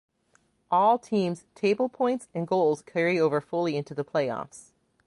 All teams' table points and goals carry over fully into the playoffs.